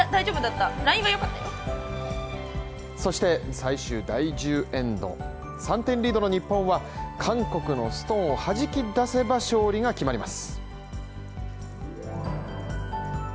最終第１０エンド３点リードの日本は、韓国のストーンをはじき出せば勝利が決まります。